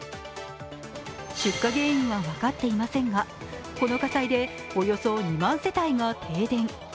出火原因は分かっていませんがこの火災でおよそ２万世帯が停電。